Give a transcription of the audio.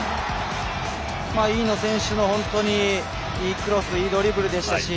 飯野選手の本当にいいクロスいいドリブルでしたし